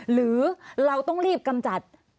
หรือเราต้องรีบกำจัด